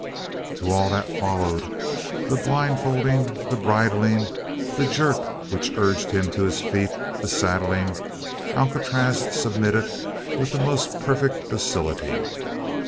To all that followed the blind folding, the bridling, the jerk which urged him to his feet, the saddling, Alcatraz submitted with the most perfect docility.